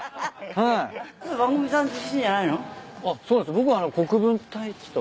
僕あの国分太一と。